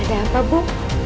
ada apa bu